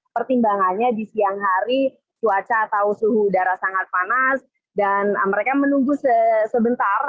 pertimbangannya di siang hari cuaca atau suhu udara sangat panas dan mereka menunggu sebentar